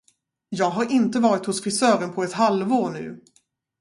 Jag har inte varit hos frisören på ett halvår nu.